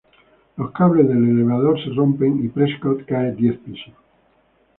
Los cables del elevador se rompen y Prescott cae diez pisos.